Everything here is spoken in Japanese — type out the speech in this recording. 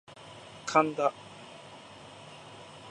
神田